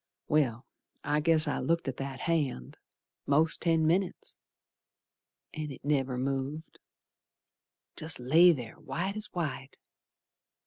Well, I guess I looked at that hand Most ten minits, An' it never moved, Jest lay there white as white.